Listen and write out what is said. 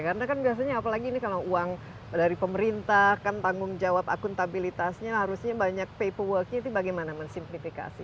karena kan biasanya apalagi ini kalau uang dari pemerintah kan tanggung jawab akuntabilitasnya harusnya banyak paperworknya itu bagaimana men simplifikasi